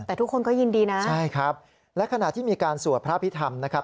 แต่ทุกคนก็ยินดีนะใช่ครับและขณะที่มีการสวดพระพิธรรมนะครับ